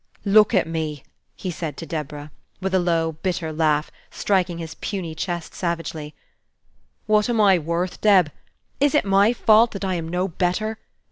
"Look at me!" he said to Deborah, with a low, bitter laugh, striking his puny chest savagely. "What am I worth, Deb? Is it my fault that I am no better?